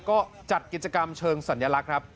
ก็จัดกิจกรรมเชิงสัญลักษณ์ครับ